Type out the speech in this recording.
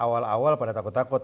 awal awal pada takut takut